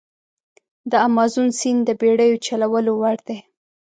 د امازون سیند د بېړیو چلولو وړ دی.